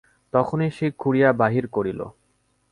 তখনই সে খুঁড়িয়া বাহির করিল।